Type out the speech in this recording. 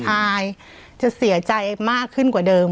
อายจะเสียใจมากขึ้นกว่าเดิม